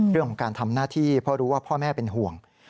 เรื่องของการทำหน้าที่เพราะรู้ว่าพ่อแม่เป็นห่วง